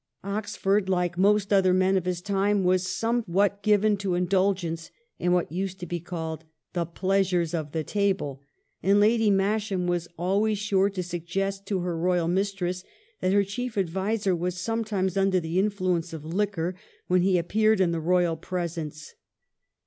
Oxford, like most other men of his time, was some what given to indulgence in what used to be called the pleasures of the table, and Lady Masham was always sure to suggest to her royal mistress that her chief adviser was sometimes under the influence of liquor when he appeared in the royal presence.